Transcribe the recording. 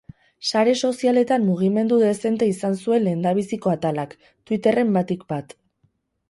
Sare sozialetan mugimendu dezente izan zuen lehendabiziko atalak, twitterren batik bat.